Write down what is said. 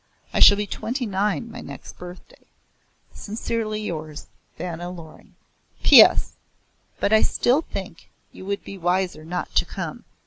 I shall be twenty nine my next birthday. Sincerely yours, VANNA LORING. P.S. But I still think you would be wiser not to come.